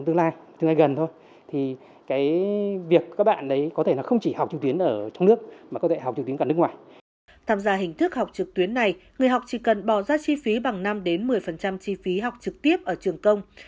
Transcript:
tham gia hình thức học trực tuyến này người học chỉ cần bỏ ra chi phí bằng năm một mươi chi phí học trực tiếp ở trường công